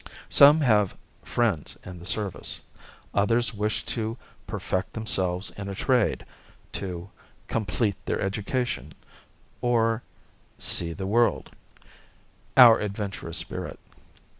Some have "friends in the service"; others wish to "perfect themselves in a trade," to "complete their education" or "see the world" our adventurous spirit.